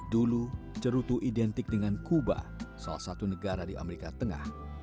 dulu cerutu identik dengan kuba salah satu negara di amerika tengah